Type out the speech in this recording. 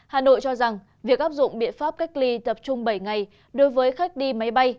hà nội cho rằng việc áp dụng biện pháp cách ly tập trung bảy ngày đối với khách đi máy bay